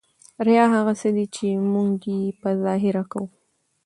ریا هغه څه دي ، چي موږ ئې په ظاهره کوو.